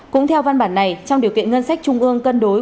cũng theo văn bản này trong điều kiện ngân sách trung ương cân đối